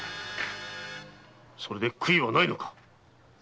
それで悔いはないのか？